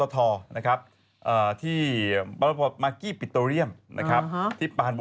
โทษครับ